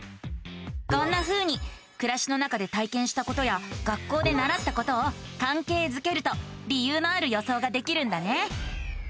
こんなふうにくらしの中で体験したことや学校でならったことをかんけいづけると理由のある予想ができるんだね。